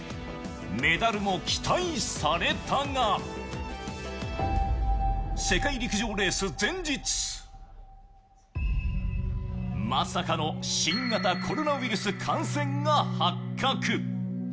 メダルも期待されたが世界陸上レース前日まさかの新型コロナウイルス感染が発覚。